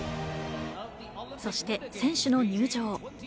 そして選手の入場。